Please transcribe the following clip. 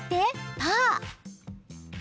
パー。